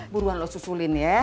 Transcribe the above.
buruan lu susulin ya